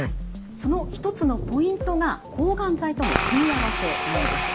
その１つのポイントが抗がん剤との組み合わせなんです。